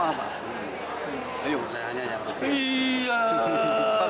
saya hanya yang berpikir